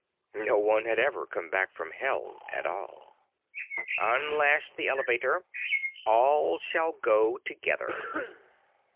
No one had ever come back from Hell at all. "Unlash the Elevator. All shall go together."